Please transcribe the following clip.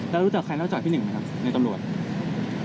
แล้วรู้จักใครนอกจากพี่หนึ่งไหมครับในตำรวจ